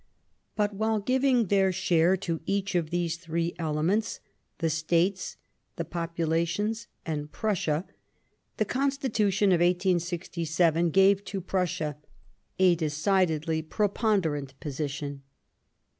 But, while giving their share to each of these three elements — the States, the populations, and Prussia, the Constitution of 1867 gave to Prussia a decidedly preponderant position.